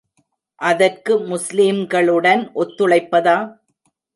அதற்கு முஸ்லீம்களுடன் ஒத்துழைப்பதா?